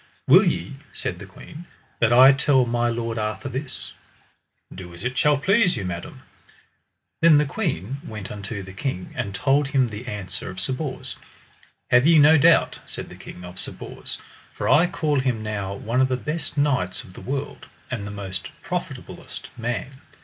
Will ye, said the queen, that I tell my lord Arthur thus? Do as it shall please you, madam. Then the queen went unto the king and told him the answer of Sir Bors. Have ye no doubt, said the king, of Sir Bors, for I call him now one of the best knights of the world, and the most profitablest man.